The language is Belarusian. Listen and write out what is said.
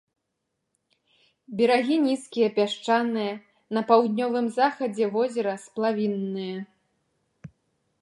Берагі нізкія, пясчаныя, на паўднёвым захадзе возера сплавінныя.